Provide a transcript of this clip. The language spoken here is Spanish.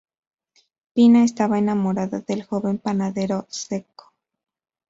Pina estaba enamorada del joven panadero Cecco.